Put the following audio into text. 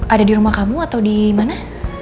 ada di rumah kamu atau di mana